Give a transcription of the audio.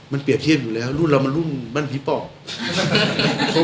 มันเปรียบเทียบอยู่แล้วรุ่นเรามารุ่นบ้านผีปอบ